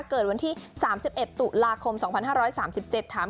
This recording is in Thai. เกิดวันที่๓๑ตุลาคม๒๕๓๗ถาม